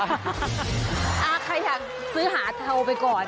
อ่ะใครจะซื้อหาเทาไปก่อน